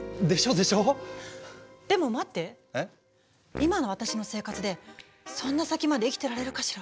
今の私の生活でそんな先まで生きてられるかしら？